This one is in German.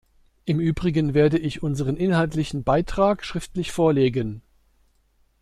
Im Übrigen werde ich unseren inhaltlichen Beitrag schriftlich vorlegen.